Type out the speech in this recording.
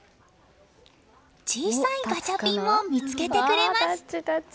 小さいガチャピンも見つけてくれます。